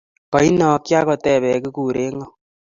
koinokchi akotebe kikure ngo